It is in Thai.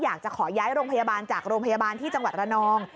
อยากจะขอย้ายโรงพยาบาลจากโรงพยาบาลที่จังหวัดระนอง